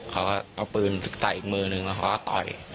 เขาก็เอาปืนใส่อีกมือนึงแล้วเขาก็ต่อย